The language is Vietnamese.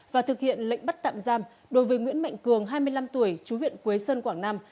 và thực hiện lệnh bắt tạm giam đối với nguyễn mạnh cường hai mươi năm tuổi chú huyện quế sơn quảng nam